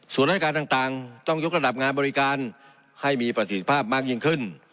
ส่วนรายการต่างต้องยกระดับงานบริการให้มีประสิทธิภาพมากยิ่งขึ้น